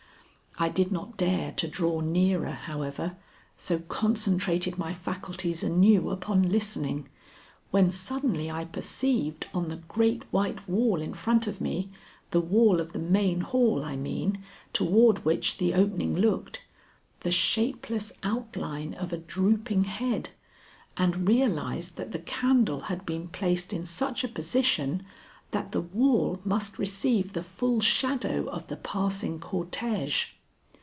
I did not dare to draw nearer, however, so concentrated my faculties anew upon listening, when suddenly I perceived on the great white wall in front of me the wall of the main hall, I mean, toward which the opening looked the shapeless outline of a drooping head, and realized that the candle had been placed in such a position that the wall must receive the full shadow of the passing cortège.